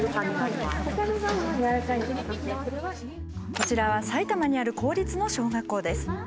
こちらは埼玉にある公立の小学校です。